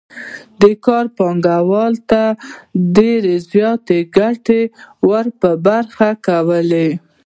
دې کار پانګوال ته ډېرې زیاتې ګټې ور په برخه کولې